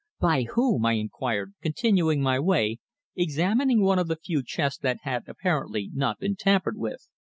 "By whom?" I inquired, continuing my way, examining one of the few chests that had apparently not been tampered with.